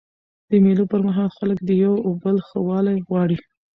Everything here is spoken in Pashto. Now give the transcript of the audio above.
د مېلو پر مهال خلک د یو بل ښه والی غواړي.